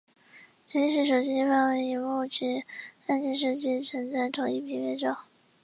直立式手机一般将萤幕及按键设计成在同一平面上。